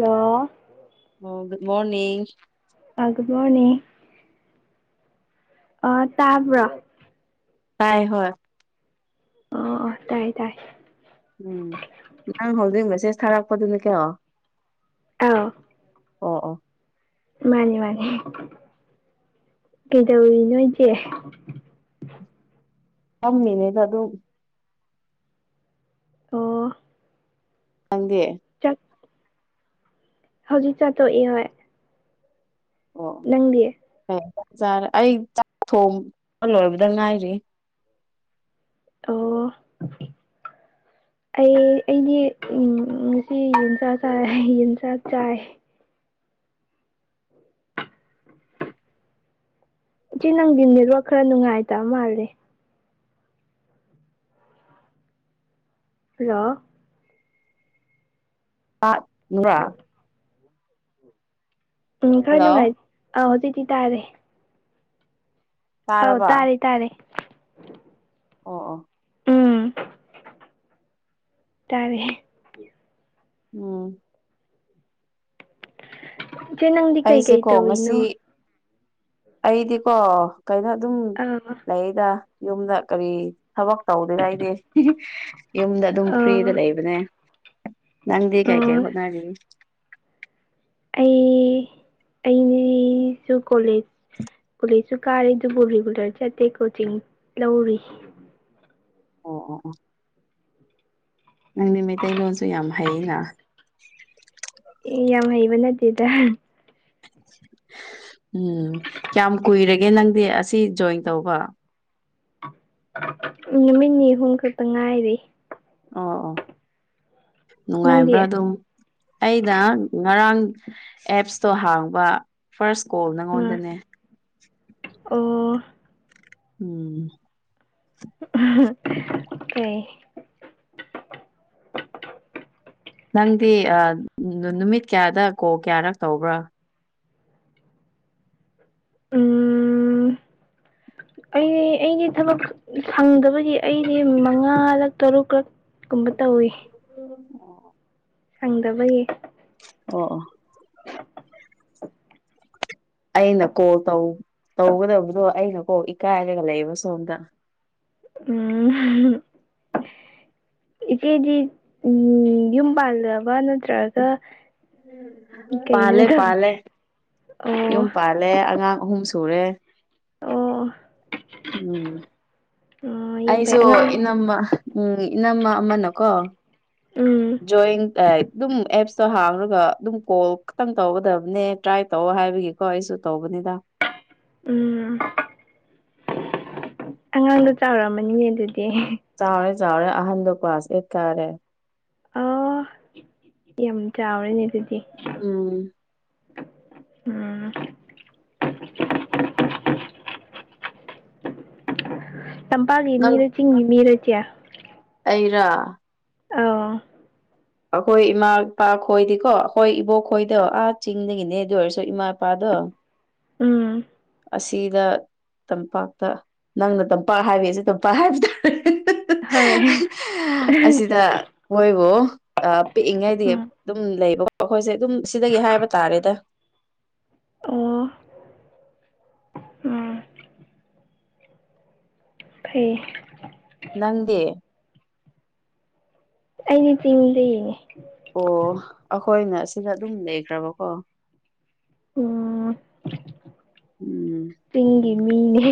ꯍꯣ ꯑꯣ good morning ꯑꯥ ꯒꯨ ꯃꯣꯔꯅꯤꯡ ꯑꯥ ꯇꯥꯕ꯭ꯔꯣ ꯇꯥꯏ ꯍꯣꯏ ꯑꯣ ꯑꯣ ꯇꯥꯏꯌꯦ ꯇꯥꯏ ꯎꯝ ꯅꯪ ꯍꯧꯖꯤꯛ ꯃꯁꯦꯁ ꯊꯥꯔꯛꯄꯗꯨꯅ ꯀꯌꯥꯣ ꯑꯥ ꯑꯣ ꯑꯣ ꯃꯥꯅꯤ ꯃꯥꯅꯤ ꯀꯩꯗꯧꯋꯤ ꯅꯣꯏꯁꯦ ꯀꯝꯅꯦꯗ ꯑꯗꯨ ꯑꯣ ꯅꯪꯗꯤ ꯆꯠ ꯍꯧꯖꯤꯛ ꯆꯥꯊꯣꯛꯏ ꯍꯣꯏ ꯑꯣ ꯅꯪꯗꯤꯌꯦ ꯑꯩ ꯆꯥꯛ ꯊꯣꯡ ꯂꯣꯏꯔꯕꯗ ꯉꯥꯏꯔꯤ ꯎꯝ ꯊꯝꯃꯦ ꯑꯩ ꯑꯩꯗꯤ ꯉꯁꯤ ꯌꯦꯟꯁꯥꯛ ꯆꯥꯏ ꯌꯦꯟꯁꯥꯛ ꯆꯥꯏ ꯏꯆꯦ ꯅꯪꯒꯤ ꯅꯦꯠꯋꯥ ꯈꯔ ꯅꯨꯡꯉꯥꯏꯇꯕ ꯃꯥꯜꯂꯦ ꯍꯜꯂꯣ [unintelligible] ꯎꯝ ꯈꯔ ꯍꯜꯂꯣ ꯅꯨꯡꯉꯥꯏ ꯑꯥ ꯍꯧꯖꯤꯛꯇꯤ ꯇꯥꯔꯦ ꯑꯧ ꯇꯥꯔꯕ ꯇꯥꯔꯦ ꯇꯥꯔꯦ ꯑꯣ ꯑꯣ ꯎꯝ ꯇꯥꯔꯦ ꯎꯝ ꯏꯆꯦ ꯅꯪꯗꯤ ꯀꯩꯀꯩ ꯑꯩꯁꯦꯀꯣ ꯇꯧꯔꯤꯅꯣ ꯉꯁꯤ ꯑꯩꯗꯤꯀꯣ ꯀꯩꯅꯣ ꯑꯗꯨꯝ ꯑꯥ ꯂꯩꯗ ꯌꯨꯝꯗ ꯀꯔꯤ ꯊꯕꯛ ꯇꯧꯗ ꯂꯩ ꯑꯩꯗꯤ ꯌꯨꯝꯗ ꯑꯗꯨꯝ ꯐ꯭ꯔꯤꯗ ꯑꯥ ꯂꯩꯕꯅꯦ ꯅꯪꯗ ꯀꯥꯏ ꯀꯦ ꯑꯥ ꯍꯣꯠꯅ ꯑꯩ ꯑꯩꯅꯁꯨ ꯀꯣꯂꯦꯖ ꯀꯣꯂꯦꯖꯁꯨ ꯀꯥꯔꯦ ꯑꯗꯨꯕꯨ ꯔꯤꯒꯨꯂꯔ ꯆꯠꯇꯦ ꯀꯣꯆꯤꯡ ꯂꯧꯔꯤ ꯑꯣ ꯑꯣ ꯑꯣ ꯅꯪꯗꯤ ꯃꯩꯇꯩꯂꯣꯟꯁꯨ ꯌꯥꯝ ꯍꯩꯌꯦ ꯂꯥ ꯑꯦ ꯌꯥꯝ ꯍꯩꯕ ꯅꯠꯇꯦꯗ ꯎꯝ ꯀꯌꯥꯝ ꯀꯨꯏꯔꯒꯦ ꯅꯪꯗꯤ ꯑꯁꯤ ꯖꯣꯏꯟ ꯇꯧꯕ ꯅꯨꯃꯤꯠ ꯅꯤ ꯑꯍꯨꯝ ꯈꯛꯇ ꯉꯥꯏꯔꯤ ꯑꯣ ꯑꯣ ꯅꯪꯗꯤ ꯅꯨꯡꯉꯥꯏꯕ꯭ꯔꯥ ꯑꯗꯨꯝ ꯑꯩꯅ ꯉꯔꯥꯡ ꯑꯦꯞꯁꯇꯣ ꯍꯥꯡꯕ ꯐꯥꯔꯁ ꯀꯣꯜ ꯎꯝ ꯅꯉꯣꯟꯗꯅꯦ ꯑꯣ ꯎꯝ ꯑꯣ ꯅꯪꯗꯤ ꯅꯨꯃꯤꯠ ꯀꯌꯥꯗ ꯀꯣꯜ ꯀꯌꯥꯔꯛ ꯇꯧꯕ꯭ꯔꯥ ꯎꯝ [inaudible] ꯑꯩ ꯑꯩꯗꯤ ꯊꯕꯛ ꯁꯪꯗꯕꯒꯤ ꯑꯩꯗꯤ ꯃꯉꯥꯔꯛ ꯇꯔꯨꯛꯛ [unintelligible] ꯁꯪꯗꯕꯒꯤ ꯑꯣ ꯑꯣ ꯑꯩꯅ ꯀꯣꯜ ꯇꯧꯒꯗꯕꯗꯣ ꯑꯩꯅ ꯀꯣꯛ ꯏꯀꯥꯏꯔꯒ ꯂꯩꯕ ꯁꯣꯝꯗ ꯎꯝ ꯏꯆꯦꯖꯤ ꯎꯝ ꯌꯨꯝꯕꯥꯜꯕ ꯅ ꯅꯠꯇ꯭ꯔꯒ ꯀꯩꯅꯣ ꯄꯥꯜꯂꯦ ꯇ ꯑꯣ ꯆꯂꯦ ꯑꯉꯥꯡ ꯑꯍꯨꯝ ꯁꯨꯔꯦ ꯑꯣ ꯎꯝ ꯑꯣ ꯌꯥꯝ ꯐꯩ ꯑꯩꯁꯨ ꯑꯉꯥꯡ ꯏꯅꯝꯃ ꯎꯝ ꯏꯅꯝꯃ ꯑꯃꯅꯀꯣ ꯎꯝ ꯖꯣꯏꯟ ꯑꯗꯨꯝ ꯑꯦꯞꯁꯇꯣ ꯍꯥꯡꯂꯒ ꯑꯗꯨꯝ ꯀꯣꯜ ꯈꯛꯇꯪ ꯇꯧꯒꯗꯕꯅꯦ ꯇ꯭ꯔꯥꯏ ꯇꯧ ꯍꯥꯏꯕꯒꯤ ꯀꯣꯏꯁꯨ ꯇꯧꯧꯕꯅꯤꯗ ꯎꯝ ꯑꯉꯥꯡꯗꯣ ꯆꯥꯎꯔꯝꯃꯅꯤꯌꯦ ꯑꯗꯨꯗꯤ ꯆꯥꯎꯔꯦ ꯆꯥꯎꯔꯦ ꯑꯍꯟꯗ ꯀ꯭ꯂꯋꯥꯥꯁ ꯑꯦꯠ ꯀꯥꯔꯦ ꯑꯣ ꯌꯥꯝ ꯆꯥꯎꯔꯦꯅꯦ ꯑꯗꯨꯗꯤ ꯎꯝ ꯎꯝ ꯇꯝꯄꯥꯛꯒꯤ ꯅꯪ ꯃꯤꯔ ꯆꯤꯡꯉ ꯃꯤꯔ ꯆꯌꯥ ꯑꯩꯔꯥ ꯑ ꯑꯩꯈꯣꯏ ꯏꯃꯥ ꯏꯄꯥ ꯈꯣꯏꯗꯤꯀꯣ ꯑꯩꯈꯣꯏ ꯏꯕꯣꯛ ꯈꯣꯏꯗꯣ ꯑꯥ ꯆꯤꯡꯗꯒꯤꯅꯦ ꯑꯗꯨ ꯑꯣꯏꯔꯁꯨ ꯏꯃꯥ ꯏꯄꯥꯗꯣ ꯎꯝ ꯑꯁꯤꯗ ꯇꯝꯄꯥꯛꯇ ꯅꯪꯅ ꯇꯝꯄꯥꯛ ꯍꯥꯏꯕꯤꯁꯦ ꯇꯝꯄꯥꯛ ꯍꯥꯏꯕ ꯇꯥꯔꯦ ꯍꯣꯏ ꯑꯁꯤꯗ ꯃꯣꯏꯕꯨ ꯄꯤꯛꯏꯉꯩꯗꯤ ꯎꯝ ꯑꯗꯨꯝ ꯂꯩꯕꯀꯣ ꯑꯩꯈꯣꯏꯁꯦ ꯑꯗꯨꯝ ꯁꯤꯗꯒꯤ ꯍꯥꯏꯕ ꯇꯥꯔꯦꯗ ꯑꯣ ꯎꯝ ꯐꯩ ꯅꯪꯗꯦ ꯑꯩꯅꯦ ꯆꯤꯡꯖꯗꯩꯅꯦ ꯑꯣ ꯑꯩꯈꯣꯏꯅ ꯁꯤꯗ ꯑꯗꯨꯝ ꯂꯩꯈ꯭ꯔꯕꯀꯣ ꯑꯣ ꯎꯝ ꯆꯤꯡꯒꯤ ꯃꯤꯅꯤ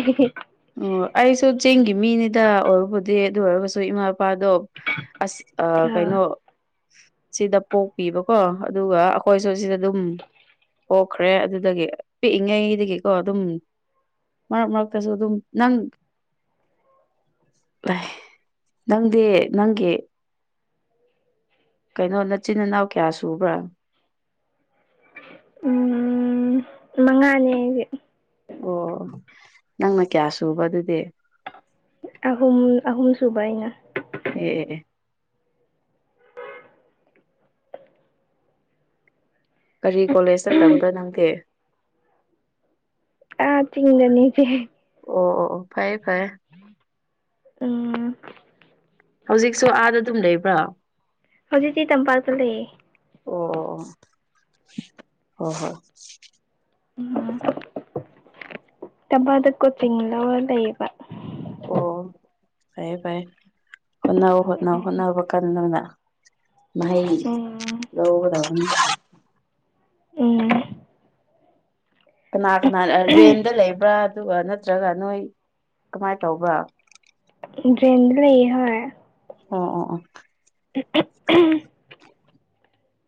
ꯑꯣ ꯑꯩꯁꯨ ꯆꯤꯡꯒꯤ ꯃꯤꯅꯤꯗ ꯑꯣꯏꯔꯨꯕꯗꯤ ꯑꯗꯨ ꯑꯣꯏꯔꯒꯁꯨ ꯏꯃꯥ ꯏꯄꯥꯗꯣ ꯑꯁ ꯑ ꯑꯥ ꯀꯩꯅꯩꯅꯣ ꯁꯤꯗ ꯄꯣꯛꯄꯤꯕꯀꯣ ꯑꯗꯨꯒ ꯑꯩꯈꯣꯏꯁꯨ ꯁꯤꯗ ꯑꯗꯨꯝ ꯄꯣꯛꯈ꯭ꯔꯦ ꯑꯗꯨꯗꯒꯤ ꯄꯤꯛꯏꯉꯩꯗꯒꯤꯀꯣ ꯑꯗꯨꯝ ꯃꯔꯛ ꯃꯔꯛꯇꯁꯨ ꯑꯗꯨꯝ ꯅꯪ ꯂꯩ ꯅꯪꯗꯦ ꯅꯪꯒꯤ ꯀꯩꯅꯣ ꯅꯆꯤꯟ ꯏꯅꯥꯎ ꯀꯌꯥ ꯁꯨꯕ꯭ꯔꯥ ꯎꯝ ꯃꯉꯥꯅꯦ ꯑꯩꯗꯤ ꯑꯣ ꯅꯪꯅ ꯀꯌꯥ ꯁꯨꯕ ꯑꯗꯨꯗꯤ ꯑꯍꯨꯝ ꯑꯍꯨꯝ ꯁꯨꯕꯥꯏꯅ ꯑꯦ ꯀꯔꯤ ꯀꯣꯂꯦꯖ ꯆꯠꯇꯕ꯭ꯔꯥ ꯅꯪꯗꯦ ꯑ ꯆꯤꯡꯅꯅꯤꯁꯦ ꯑꯣ ꯑꯣ ꯑꯣ ꯐꯩꯌꯦ ꯐꯩꯌꯦ ꯑꯥ ꯍꯧꯖꯤꯛꯁꯨ ꯑꯥꯗ ꯑꯗꯨꯝ ꯂꯩꯕ꯭ꯔꯣ ꯍꯧꯖꯤꯛꯇꯤ ꯇꯝꯄꯥꯛꯇ ꯂꯩꯌꯦ ꯑꯣ ꯑꯣ ꯑꯣ ꯑꯣ ꯍꯣꯏ ꯎꯝ ꯀꯕꯥꯗ ꯀꯣꯆꯤꯡ ꯂꯧꯔ ꯂꯩꯌꯦꯕ ꯑꯣ ꯐꯔꯦ ꯐꯔꯥꯏꯦ ꯍꯣꯠꯅꯧ ꯍꯣꯠꯅꯧ ꯎꯝ ꯍꯣꯠꯅꯅꯕ ꯀꯥꯟ ꯅꯪꯅ ꯃꯍꯩ ꯎꯝ ꯂꯧꯒꯗꯕꯅꯤ ꯀꯅꯥ ꯀꯅꯥ ꯔꯦꯟꯗ ꯂꯩꯕ꯭ꯔꯥ ꯑꯗꯨꯒ ꯅꯠꯇ꯭ꯔꯒ ꯅꯣꯏ ꯀꯃꯥꯏꯅ ꯇꯧꯕ꯭ꯔꯥ ꯦꯟꯗ ꯂꯩ ꯍꯣꯏ ꯑꯣ ꯑꯣ ꯑꯣ [unintelligible]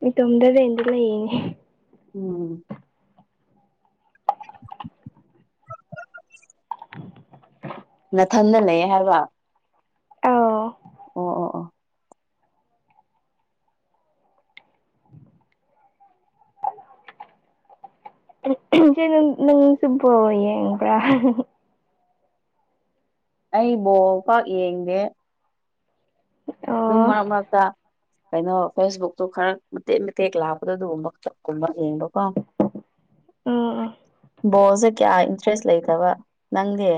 ꯏꯇꯣꯝꯗ ꯔꯦꯟꯗꯤ ꯂꯩꯔꯤꯅꯦ ꯎꯝ ꯑ ꯅꯊꯟꯗ ꯂꯩ ꯍꯥꯏꯔꯕ ꯑꯧ ꯑꯣ ꯑꯣ ꯑꯣ ꯏꯆꯦ ꯅꯪꯁꯨꯕꯣ ꯌꯦꯡꯕ꯭ꯔꯥ ꯑꯩꯕꯣ ꯄꯥꯛ ꯌꯦꯡꯒꯦ ꯑꯗꯨꯝ ꯑꯣ ꯃꯔꯛ ꯃꯔꯛꯇ ꯀꯩꯅꯣ ꯐꯦꯁꯕꯨꯛꯇꯨ ꯈꯔ ꯃꯇꯦꯛ ꯃꯇꯦꯛ ꯂꯥꯛꯄꯗ ꯑꯗꯨꯒꯨꯝꯕꯀꯨꯝꯕ ꯌꯦꯡꯕꯣꯀꯣ ꯎꯝ ꯎꯝ ꯕꯣꯜꯁꯦ ꯀꯌꯥ ꯏꯟꯇꯔꯦꯁ ꯂꯩꯇꯕ ꯅꯪꯒꯤ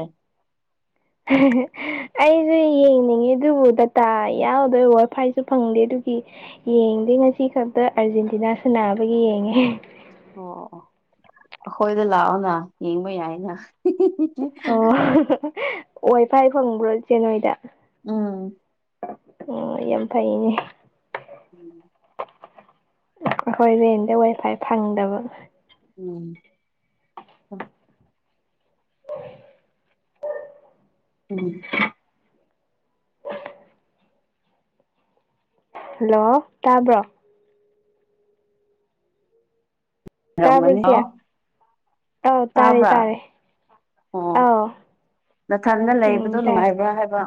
ꯑꯩꯁꯨ ꯌꯦꯡꯅꯤꯡꯉꯦ ꯑꯗꯨꯕꯨ ꯗꯇꯥ ꯌꯥꯎꯗꯣꯏ ꯋꯥꯏ ꯐꯥꯏꯁꯨ ꯐꯪꯗꯦ ꯑꯗꯨꯒꯤ ꯌꯦꯡꯗꯦ ꯉꯁꯤ ꯈꯛꯇ ꯑꯥꯔꯖꯦꯟꯇꯤꯅꯥ ꯁꯅꯥꯕꯒꯤ ꯌꯦꯡꯉꯦ ꯑꯣ ꯑꯩꯈꯣꯏꯗ ꯂꯥꯛꯑꯣꯅ ꯌꯦꯡꯕ ꯌꯥꯏꯅ ꯑꯣ ꯋꯥꯐꯥꯏ ꯐꯪꯕ꯭ꯔꯣ ꯏꯆꯦ ꯅꯣꯏꯗ ꯎꯝ ꯎ ꯌꯥꯝ ꯐꯩꯅꯦ ꯎꯝ ꯑꯩꯈꯣꯏ ꯔꯦꯟꯗ ꯋꯥꯏꯐꯥꯏ ꯐꯪꯗꯕ ꯎꯝ ꯎꯝ ꯍꯜꯂꯣ ꯇꯥꯕ꯭ꯔꯣ ꯇꯥꯕ꯭ꯔꯣ ꯔꯃꯅꯤ ꯏꯆꯦ ꯑꯧ ꯇꯥꯔꯦ ꯇꯥꯔꯦ ꯑꯣ ꯑꯧ ꯅꯊꯟꯟꯅ ꯎꯝ ꯂꯩꯕꯗꯣ ꯇꯥꯏ ꯅꯨꯡꯉꯥꯏꯕ꯭ꯔꯥ ꯍꯥꯏꯕ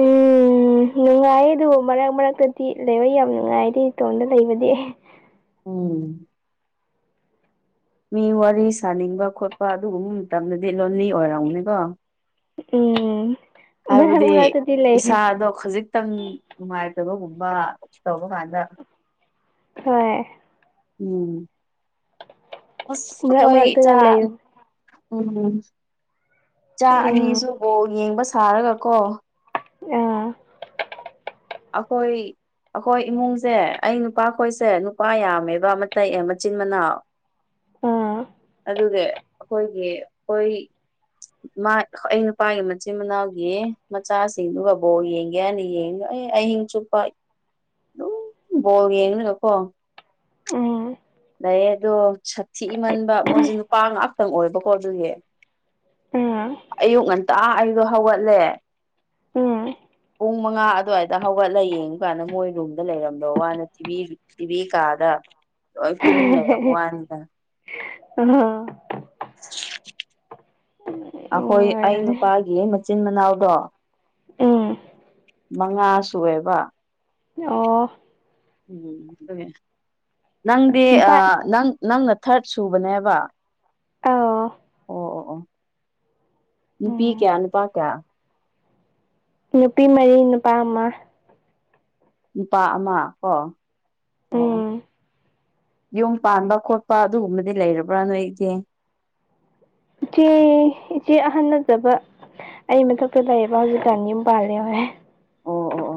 ꯎꯝ ꯎꯝ ꯅꯨꯡꯉꯥꯏꯌꯦ ꯑꯗꯨꯕꯨ ꯃꯔꯛ ꯃꯔꯛꯇꯗꯤ ꯂꯩꯕ ꯌꯥꯝ ꯅꯨꯡꯉꯥꯏꯗꯤ ꯏꯇꯣꯝꯗ ꯂꯩꯕꯗꯤ ꯎꯝ ꯃꯤ ꯋꯥꯔꯤ ꯁꯥꯅꯤꯡꯕ ꯈꯣꯠꯄ ꯑꯗꯨꯒꯨꯝ ꯃꯇꯝꯗꯗꯤ ꯂꯣꯟꯂꯤ ꯑꯣꯏꯔꯝꯅꯤꯀꯣ ꯑꯦ ꯍꯥꯏꯕꯗꯤ ꯏꯁꯥꯗꯣ ꯈꯖꯤꯛꯇꯪ ꯅꯨꯉꯥꯏꯇꯕꯒꯨꯝꯕ ꯇꯧꯕ ꯃꯥꯟꯕ ꯍꯣꯏ ꯎꯝ ꯑꯁ ꯃꯔꯛ ꯍꯣꯏ ꯃꯔꯛꯇꯅ ꯏꯆꯥ ꯂꯩ [unintelligible] ꯎꯝ ꯆꯥ ꯎꯝ ꯑꯅꯤꯁꯨ ꯕꯣꯜ ꯌꯦꯡꯕ ꯁꯥꯔꯒ ꯀꯣ [unintelligible] ꯑꯈꯣꯏ ꯑꯈꯣꯏ ꯏꯃꯨꯡꯁꯦ ꯑꯩ ꯅꯨꯄꯥꯈꯣꯏꯁꯦ ꯅꯨꯄꯥ ꯌꯥꯝꯃꯦꯕꯥ ꯃꯇꯩ ꯑꯦ ꯃꯆꯤꯟ ꯃꯅꯥꯎ ꯑ ꯑꯗꯨꯒ ꯈꯣꯏꯒꯤ ꯍꯨꯏ [inaudible] ꯃꯥ [inaudible] ꯑꯩ ꯅꯨꯄꯥꯒꯤ ꯃꯆꯤꯟ ꯃꯅꯥꯎꯒꯤ ꯃꯆꯥꯁꯤꯡꯗꯨꯒ ꯕꯣꯜ ꯌꯦꯡꯒꯦ ꯍꯥꯏꯅ ꯌꯦꯡ ꯌꯑꯦ ꯑꯍꯤꯡ ꯆꯨꯞꯄ ꯗꯨꯝ ꯕꯣꯜ ꯌꯦꯡꯂꯒꯀꯣ ꯎꯝ ꯂꯩꯌꯦ ꯑꯗꯣ ꯁꯥꯊꯤ ꯃꯟꯕ ꯃꯣꯏꯁꯦ ꯅꯨꯄꯥ ꯉꯥꯛꯇꯪ ꯑꯣꯏꯕꯀꯣ ꯑꯗꯨꯒꯤ [unintelligible] ꯑꯌꯨꯛ ꯉꯟꯇꯥ ꯑꯩꯗꯣ ꯍꯧꯒꯠꯂꯦ ꯎꯝ ꯄꯨꯡ ꯃꯉꯥ ꯑꯗꯨꯋꯥꯏꯗ ꯍꯧꯒꯠꯂ ꯌꯦꯡꯉꯨ ꯀꯥꯟꯗ ꯃꯣꯏ ꯔꯨꯝꯗ ꯂꯩꯔꯝꯗꯕ ꯋꯥꯅꯦ ꯇꯤꯚꯤ [unintelligible] ꯇꯤꯚꯤ ꯀꯥꯔꯗ ꯂꯣꯏ ꯇꯨꯝ ꯂꯩꯔꯝ ꯋꯥꯅꯤꯗ [unintelligible] ꯎꯝ ꯑꯈꯣꯏ ꯑꯩ ꯑꯣꯏꯔꯝꯅꯤ ꯅꯨꯄꯥꯒꯤ ꯃꯆꯤꯟ ꯃꯅꯥꯎꯗꯣ ꯎꯝ ꯃꯉꯥ ꯁꯨꯋꯦꯕꯥ ꯑꯣ ꯎꯝ [unintelligible] ꯅꯪꯗꯤ ꯑ ꯅꯨꯄꯥ ꯅꯪ ꯅꯪꯅ ꯊꯔꯠ ꯁꯨꯕꯅꯦꯕꯥ ꯑꯧ ꯑꯣ ꯑꯣ ꯑꯣ ꯅꯨꯄꯤ ꯎꯝ ꯀꯌꯥ ꯅꯨꯄꯥ ꯀꯌꯥ ꯅꯨꯄꯤ ꯃꯔꯤ ꯅꯨꯄꯥ ꯑꯃ ꯅꯨꯄꯥ ꯑꯃ ꯀꯣ ꯑꯣ ꯑꯣ ꯎꯝ ꯌꯨꯝ ꯄꯥꯟꯕ ꯈꯣꯠꯄ ꯑꯗꯨꯒꯨꯝꯕꯗꯤ ꯂꯩꯔꯕ꯭ꯔꯥ ꯅꯣꯏꯗꯤ ꯏꯆꯦ ꯏꯆꯦ ꯑꯍꯟ ꯅꯠꯇꯕ ꯑꯩ ꯃꯊꯛꯇ ꯂꯩꯌꯦꯕ ꯍꯖꯤꯛꯀꯥꯟ ꯌꯨꯝ ꯄꯥꯜꯂꯦ ꯑꯣ ꯑꯣ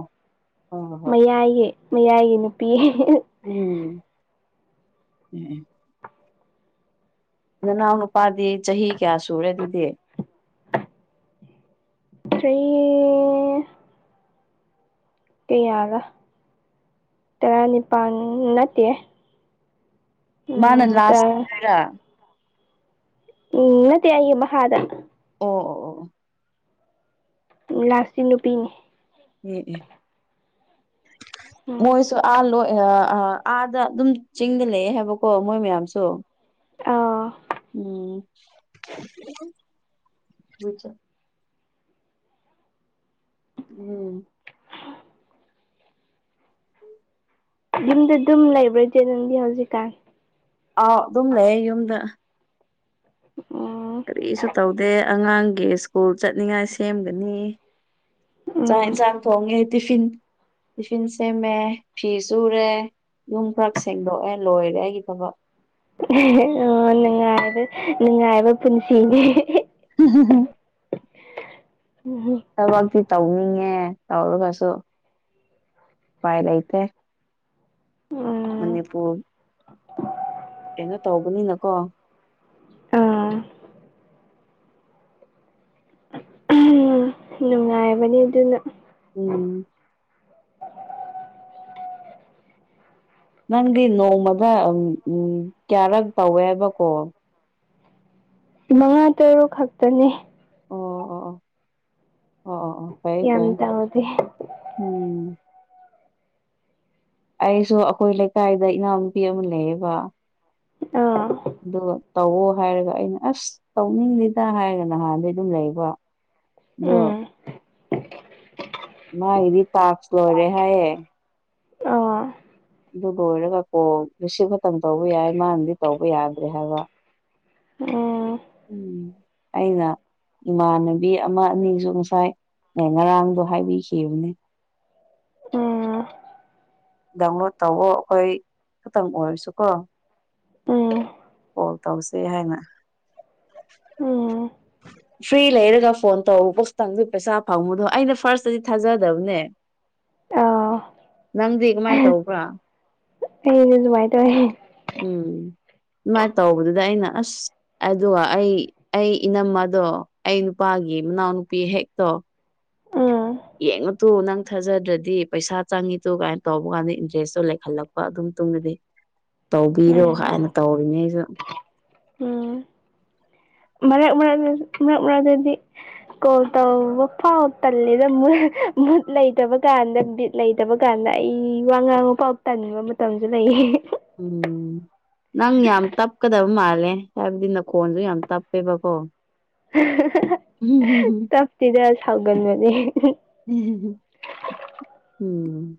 ꯑꯣ ꯍꯣꯏ ꯍꯣꯏ [unintelligible] ꯍꯣꯏ ꯃꯌꯥꯏꯒꯤ ꯃꯌꯥꯏꯒꯤ ꯅꯨꯄꯤ [inaudible] ꯎꯝ ꯎꯝ ꯅꯅꯥꯎ ꯅꯨꯄꯥꯗꯤ ꯆꯍꯤ ꯀꯌꯥ ꯁꯨꯔꯦ ꯑꯗꯨꯗꯤ ꯊ꯭ꯔꯤ ꯀꯌꯥ ꯔ ꯇꯔꯥꯅꯤꯄꯥꯟ ꯅꯠꯇꯦ [unintelligible] ꯃꯥꯅ ꯎꯝ ꯂꯥꯁ꯭ ꯇꯔꯥ [unintelligible] ꯔ ꯎꯝ ꯅꯠꯇꯦ ꯑꯩꯒꯤ ꯃꯁꯥꯗ ꯑꯣ ꯑꯣ ꯑꯣ [unintelligible] ꯂꯥꯁꯇꯤ ꯅꯨꯄꯤꯅꯤ ꯑꯦ ꯑꯦ ꯎꯝ ꯃꯣꯏꯁꯨ ꯑꯥ ꯂꯣ [unintelligible] ꯑ ꯑꯥꯗ ꯑꯗꯨꯝ ꯆꯤꯡꯗ ꯂꯩꯌꯦ ꯍꯥꯏꯕꯀꯣ ꯃꯣꯏ ꯃꯌꯥꯝꯁꯨ ꯑꯧ ꯎꯝ [inaudible] ꯎꯝ ꯌꯨꯝꯗ ꯑꯗꯨꯝ ꯂꯩꯕ꯭ꯔ ꯆꯦꯅꯪꯗꯤ ꯍꯧꯖꯤꯛꯀꯥꯟ ꯑꯥꯎ ꯑꯗꯨꯝ ꯂꯩꯌꯦ ꯌꯨꯝꯗ [unintelligible] ꯀꯔꯤꯁꯨ ꯇꯧꯗꯦ ꯑꯉꯥꯡꯒꯤ ꯁ꯭ꯀꯨꯜ ꯆꯠꯅꯤꯡꯉꯥꯏ ꯁꯦꯝꯒꯅꯤ ꯆꯥꯛ ꯎꯝ ꯏꯟꯁꯡ ꯊꯣꯡꯒꯦ ꯇꯤꯐꯤꯟ ꯇꯤꯐꯤꯟ ꯁꯦꯝꯃꯦ ꯐꯤ ꯁꯨꯔꯦ ꯌꯨꯝ ꯈꯔꯛ ꯁꯦꯡꯗꯣꯛꯑꯦ ꯂꯣꯏꯔꯦ ꯑꯩꯒꯤ ꯊꯕꯛ ꯑꯣ ꯅꯨꯡꯉꯥꯏꯕ ꯅꯨꯡꯉꯥꯏꯕ ꯄꯨꯟꯁꯤꯅꯦ ꯍꯝ ꯍ ꯍ ꯎꯝ ꯊꯕꯛꯇꯤ ꯇꯧꯅꯤꯡꯉꯦ ꯇꯧꯔꯒꯁꯨ ꯎꯄꯥꯏ ꯂꯩꯇꯦ ꯎꯝ ꯃꯅꯤꯄꯨꯔ [unintelligible] ꯀꯩꯅꯣ ꯇꯧꯕꯅꯤꯅꯀꯣ ꯑꯥ ꯎꯝ ꯅꯨꯡꯉꯥꯏꯕꯅꯤ ꯑꯗꯨꯅ ꯎꯝ ꯅꯪꯗꯤ ꯅꯣꯡꯃꯗ ꯎꯝ ꯀꯌꯥꯔꯛ ꯇꯧꯋꯦ ꯍꯥꯏꯕꯀꯣ ꯃꯉꯥ ꯇꯔꯨꯛ ꯈꯛꯇꯅꯦ ꯑꯣ ꯑꯣ ꯑꯣ ꯑꯣ ꯑꯣ ꯐꯔꯦ ꯀꯦ ꯌꯥꯝ ꯇꯧꯗꯦ ꯎꯝ ꯑꯩꯁꯨ ꯑꯩꯈꯣꯏ ꯂꯩꯀꯥꯏꯗ ꯏꯅꯥꯎꯅꯨꯄꯤ ꯑꯃ ꯂꯩꯌꯦꯕ ꯑꯥ ꯑ ꯇꯧꯋ ꯍꯥꯏꯔꯒ ꯑꯩꯅ ꯑꯁ ꯇꯧꯅꯤꯡꯂꯤꯗ ꯍꯥꯏꯔꯒ ꯅꯍꯥꯟꯗꯩ ꯑꯗꯨꯝ ꯂꯩꯕ ꯑ [unintelligible] ꯎꯝ ꯃꯥꯒꯤꯗꯤ ꯇꯥꯛꯁ ꯂꯣꯏꯔꯦ ꯍꯥꯏꯌꯦ ꯑꯥ ꯑꯗꯨ ꯂꯣꯏꯔꯒ ꯀꯣꯜ ꯔꯤꯁꯤꯞ ꯈꯛꯇꯪ ꯇꯧꯕ ꯌꯥꯏ ꯃꯥꯅꯗꯤ ꯇꯧꯕ ꯌꯥꯗ꯭ꯔꯦ ꯍꯥꯏꯕ ꯎꯝ ꯎꯝ ꯑꯩꯅꯥ ꯏꯃꯥꯟꯅꯕꯤ ꯑꯃ ꯑꯅꯤꯁꯨ ꯉꯁꯥꯏ ꯉꯔꯥꯡꯗꯣ ꯍꯥꯏꯕꯤꯈꯤꯕꯅꯦ ꯗꯥꯎꯟꯂꯣꯗ ꯇꯧꯋꯣ ꯑꯩꯈꯣꯏ ꯈꯛꯇꯪ ꯑꯣꯏꯔꯁꯨꯀꯣ ꯎꯝ ꯎꯝ ꯀꯣꯜ ꯇꯧꯁꯦ ꯍꯥꯏꯅ ꯎꯝ ꯐ꯭ꯔꯤ ꯂꯩꯔꯒ ꯐꯣꯟ ꯇꯧ ꯄꯣꯛꯁꯇꯪꯁꯨ ꯄꯩꯁꯥ ꯐꯪꯉꯨꯗꯣ ꯑꯩꯅ ꯐꯥꯔꯁꯇꯗꯤ ꯊꯥꯖꯗꯕꯅꯦ ꯑꯥ ꯅꯪꯗꯤ ꯀꯃꯥꯏꯟ ꯇꯧꯕ꯭ꯔꯥ ꯑꯩ ꯗꯤ ꯑꯗꯨꯝꯃꯥꯏ ꯇꯧꯏ ꯎꯝ ꯑꯗꯨꯃꯥꯏꯅ ꯇꯧꯕꯗꯨꯗ ꯑꯩꯅ ꯑꯁ ꯑꯗꯨꯒ ꯑꯩ ꯑꯩ ꯏꯅꯝ ꯃꯗꯣ ꯑꯩ ꯅꯨꯄꯥꯒꯤ ꯃꯅꯥꯎꯅꯨꯄꯤ ꯍꯦꯛꯇꯣ ꯎꯝ ꯌꯦꯡꯉꯨ ꯇꯨ ꯅꯪ ꯊꯥꯖꯗ꯭ꯔꯗꯤ ꯄꯩꯁꯥ ꯆꯪꯉꯤꯇꯨ ꯀꯥꯏꯅ ꯇꯧꯕ ꯀꯥꯟꯗ ꯏꯟꯇꯔꯦꯁꯇꯣ ꯂꯩꯈꯠꯂꯛꯄ ꯑꯗꯨ ꯃꯇꯨꯡꯗꯗꯤ ꯇꯧꯕꯤꯔꯣ ꯎꯝ ꯍꯥꯏꯅ ꯇꯧꯔꯤꯅꯤ ꯑꯩꯁꯨ ꯎꯝ ꯃꯔꯛ ꯃꯔꯛꯇꯁꯨ ꯃꯔꯛ ꯃꯔꯛꯇꯗꯗꯤ ꯀꯣꯜ ꯇꯧꯕ ꯐꯥꯎ ꯇꯜꯂꯦꯗ ꯃꯨꯠ ꯂꯩꯇꯕ ꯀꯥꯟꯗ ꯕꯤꯠ ꯂꯩꯇꯕ ꯀꯥꯟꯗ ꯑꯩ ꯋꯥ ꯉꯥꯡꯕ ꯐꯧꯕꯥ ꯇꯥꯟꯕ ꯃꯇꯝꯁꯨ ꯂꯩꯌꯦ ꯎꯝ ꯅꯪ ꯌꯥꯝ ꯇꯞꯀꯗꯕ ꯃꯥꯜꯂꯦ ꯍꯥꯏꯕꯗꯤ ꯅꯈꯣꯟꯁꯨ ꯌꯥꯝ ꯇꯞꯄꯦꯕꯀꯣ ꯇꯞꯇꯤꯗ ꯁꯥꯎꯒꯟꯕꯅꯦ ꯎꯝ